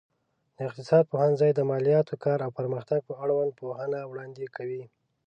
د اقتصاد پوهنځی د مالياتو، کار او پرمختګ په اړوند پوهنه وړاندې کوي.